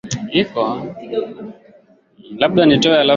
Walitumia rasilimali za serikali inavyofaa